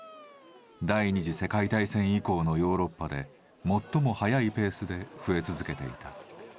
第２次世界大戦以降のヨーロッパで最も速いペースで増え続けていた。